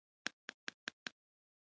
نظم او د حکومتونو مشروع قدرت له منځه یووړل.